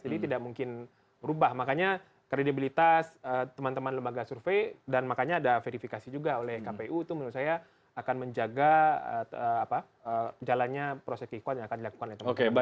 jadi tidak mungkin berubah makanya kredibilitas teman teman lembaga survei dan makanya ada verifikasi juga oleh kpu itu menurut saya akan menjaga jalannya proses key count yang akan dilakukan oleh teman teman